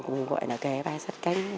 cùng gọi là kẻ ba sắt cánh